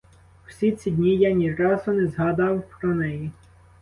Всі ці дні я ні разу не згадав про неї!